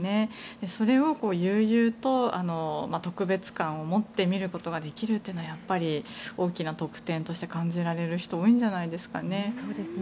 それを悠々と特別感を持って見ることができるっていうのは大きな特典として感じられる人が多いんじゃないですかね。